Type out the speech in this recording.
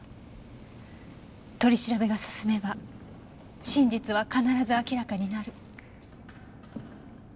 取り調べが進めば真実は必ず明らかになる。